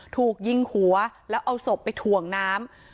ถูกยิงหัวแล้วเอาศพไปถ่วงน้ำ